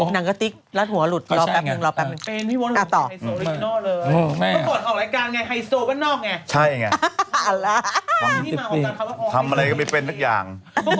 หนังก็ติ๊กลาดหัวหลุดรอแปปนึงรอแปปนึง